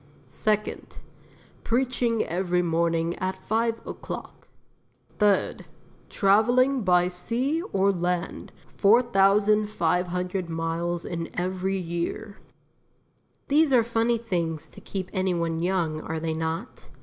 Second Preaching every morning at five o'clock. Third Travelling by sea or land 4,500 miles in every year." These are funny things to keep any one young, are they not?